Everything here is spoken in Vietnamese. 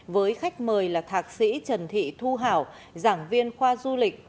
với khách mời là thạc sĩ trần thị thu hảo giảng viên khoa du lịch